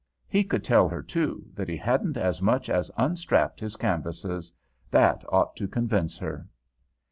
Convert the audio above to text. He could tell her, too, that he hadn't as much as unstrapped his canvases, that ought to convince her.